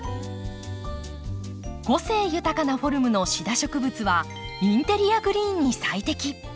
個性豊かなフォルムのシダ植物はインテリアグリーンに最適。